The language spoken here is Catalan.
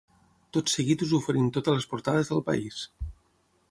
Tot seguit us oferim totes les portades del país.